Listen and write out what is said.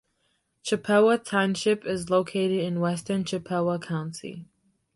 Chippewa Township is located in western Chippewa County.